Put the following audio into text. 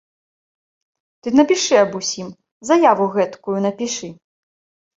Ты напішы аб усім, заяву гэткую напішы.